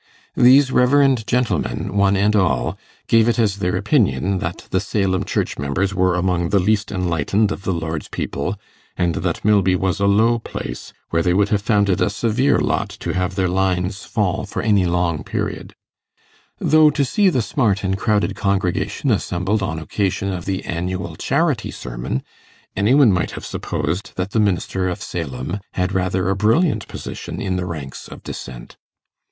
These reverend gentlemen, one and all, gave it as their opinion that the Salem church members were among the least enlightened of the Lord's people, and that Milby was a low place, where they would have found it a severe lot to have their lines fall for any long period; though to see the smart and crowded congregation assembled on occasion of the annual charity sermon, any one might have supposed that the minister of Salem had rather a brilliant position in the ranks of Dissent.